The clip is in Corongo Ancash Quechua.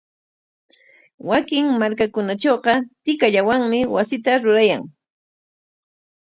Wakin markakunatrawqa tikallawanmi wasita rurayan.